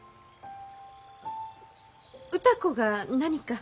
歌子が何か？